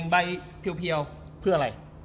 ใบเพียวเพื่ออะไร